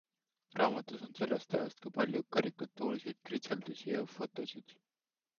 Raamatus on sellest ajast ka palju karikatuurseid kritseldusi ja fotosid.